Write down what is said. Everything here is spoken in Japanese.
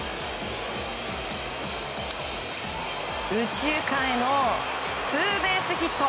右中間へのツーベースヒット。